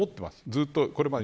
ずっとこれまで。